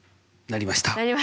なりました。